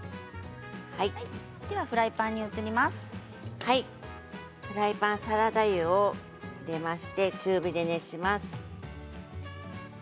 フライパンにサラダ油を入れまして、中火で熱します。